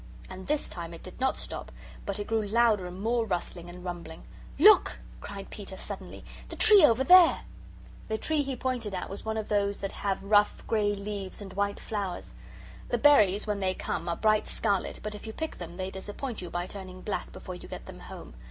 And this time it did not stop, but it grew louder and more rustling and rumbling. "Look" cried Peter, suddenly "the tree over there!" The tree he pointed at was one of those that have rough grey leaves and white flowers. The berries, when they come, are bright scarlet, but if you pick them, they disappoint you by turning black before you get them home.